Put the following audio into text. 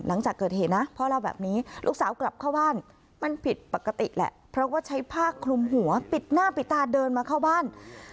หลังจากเกิดเหตุนะพ่อเล่าแบบนี้ลูกสาวกลับเข้าบ้าน